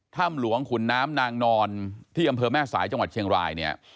ถ้ำหลวงขุนน้ำนางนอนที่อำเภอแม่สายจังหวัดเชียงรายเนี่ย